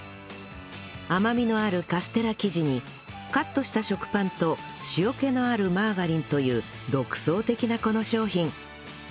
甘みのあるカステラ生地にカットした食パンと塩気のあるマーガリンという独創的なこの商品